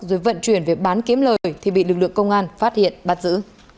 rồi vận chuyển về bán kiếm lời thì bị lực lượng công an phát hiện bắt giữ